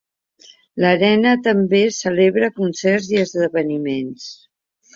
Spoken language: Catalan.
L'arena també celebra concerts i esdeveniments.